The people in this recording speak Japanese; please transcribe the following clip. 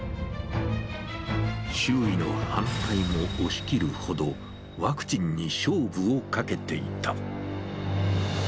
周囲の反対も押し切るほど、ワクチンに勝負をかけていた。